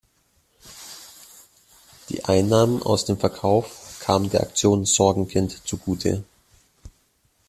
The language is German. Die Einnahmen aus dem Verkauf kamen der Aktion Sorgenkind zugute.